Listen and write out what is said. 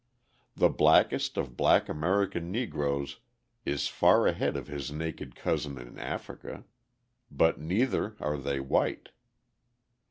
The blackest of black American Negroes is far ahead of his naked cousin in Africa. But neither are they white!